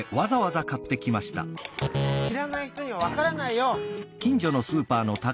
「しらない人にはわからないよ」。